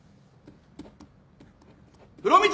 ・風呂光！